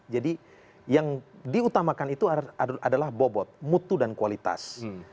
jadi yang diutamakan itu adalah bobot mutu dan kualitas